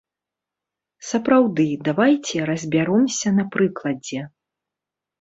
Сапраўды, давайце разбяромся на прыкладзе.